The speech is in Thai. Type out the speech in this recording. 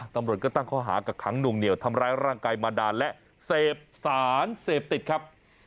ตำรวจก็ตั้งข้อหากับขังนวงเหนียวทำร้ายร่างกายมานานและเสพสารเสพติดครับ